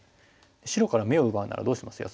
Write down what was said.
白から眼を奪うならどうします安田さん。